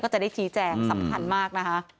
จะได้ชี้แจงสำคัญมากนะคะ